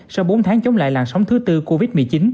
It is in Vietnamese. sau bốn tháng chống lại làn sóng thứ tư covid một mươi chín